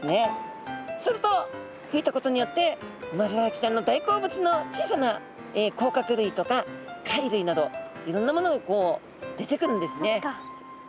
すると吹いたことによってウマヅラハギちゃんの大好物の小さな甲殻類とか貝類などいろんなものが出てくるんですね。